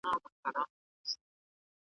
او ارواښاد مير غلام محمد غبار